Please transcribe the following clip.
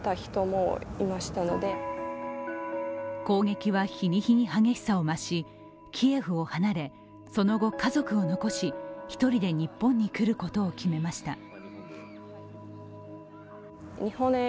攻撃は日に日に激しさを増し、キエフを離れ、その後、家族を残し１人で日本に来ることを決めました